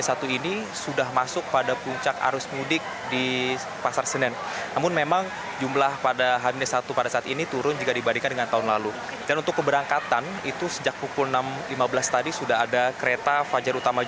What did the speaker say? k satu situasi arus mudik di stasiun pasar senen terpantau ramai bahkan lebih ramai jika dibandingkan kemarin